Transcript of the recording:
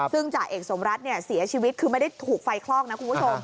ซึ่งจ่าเอกสมรัฐเนี่ยเสียชีวิตคือไม่ได้ถูกไฟคลอกนะคุณผู้ชม